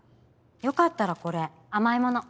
よかったらこれ甘い物。